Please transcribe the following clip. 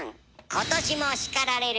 今年も叱られる。